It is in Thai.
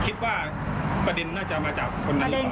คิดว่าประเด็นน่าจะมาจากคนนั้นหรือเปล่า